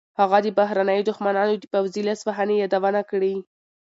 هغه د بهرنیو دښمنانو د پوځي لاسوهنې یادونه کړې.